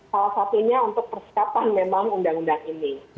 salah satunya untuk persiapan memang undang undang ini